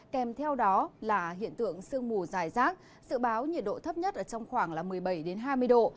kèm theo đó là hiện tượng sương mù dài rác sự báo nhiệt độ thấp nhất trong khoảng một mươi bảy hai mươi độ